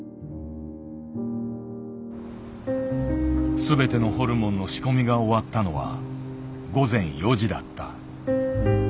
全てのホルモンの仕込みが終わったのは午前４時だった。